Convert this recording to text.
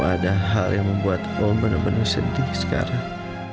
ada hal yang membuat om benar benar sedih sekarang